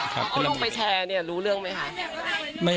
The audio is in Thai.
เขาลงไปแชร์เนี่ยรู้เรื่องไหมคะ